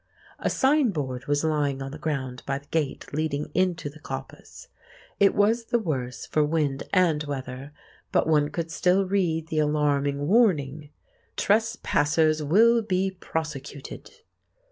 A sign board was lying on the ground by the gate leading into the coppice. It was the worse for wind and weather, but one could still read the alarming warning, "Trespassers will be prosecuted!"